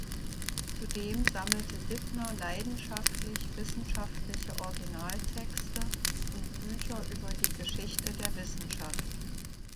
Zudem sammelte Dibner leidenschaftlich wissenschaftliche Original-Texte und Bücher über die Geschichte der Wissenschaft.